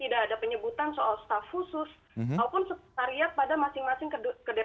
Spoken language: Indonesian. tidak ada penyebutan soal staff khusus